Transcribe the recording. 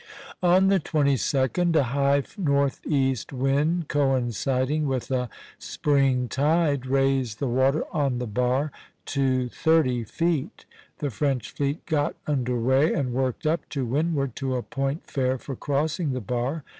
On the 22d a high northeast wind, coinciding with a spring tide, raised the water on the bar to thirty feet. The French fleet got under way, and worked up to windward to a point fair for crossing the bar.